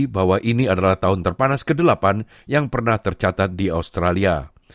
bahwa ini adalah tahun terpanas ke delapan yang pernah tercatat di australia